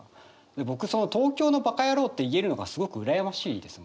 僕「東京のバカヤロー」って言えるのがすごく羨ましいですね。